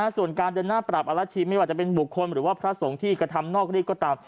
ส่วนการเดินหน้าปรับอรัชชีไม่ว่าจะเป็นบุคคลหรือว่าพระสงฆ์ที่กระทำนอกรีดก็ตาม